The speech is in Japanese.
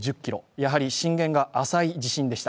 やはり震源が浅い地震でした。